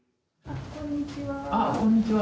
こんにちは。